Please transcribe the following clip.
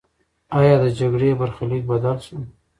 آیا د جګړې برخلیک بدل سو؟